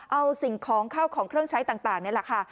เอาสิ่งของเข้าของเครื่องใช้ต่างนี่แหละค่ะ